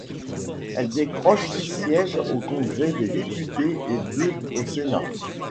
Elle décroche six sièges au Congrès des députés et deux au Sénat.